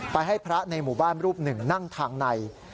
ให้พระในหมู่บ้านรูปหนึ่งนั่งทางใน